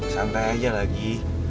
santai aja lagi